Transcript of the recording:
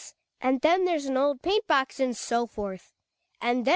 And then there's an old paint box and so forth; and then all the books.